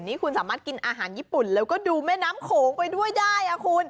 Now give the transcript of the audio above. นี่คุณสามารถกินอาหารญี่ปุ่นแล้วก็ดูแม่น้ำโขงไปด้วยได้คุณ